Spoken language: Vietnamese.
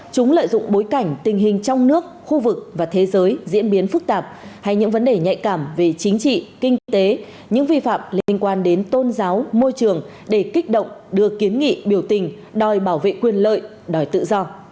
chúng lợi dụng bối cảnh tình hình trong nước khu vực và thế giới diễn biến phức tạp hay những vấn đề nhạy cảm về chính trị kinh tế những vi phạm liên quan đến tôn giáo môi trường để kích động đưa kiến nghị biểu tình đòi bảo vệ quyền lợi đòi tự do